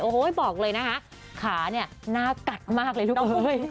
โอ้โหบอกเลยนะคะขาเนี่ยหน้ากัดมากเลยลูกเอ้ย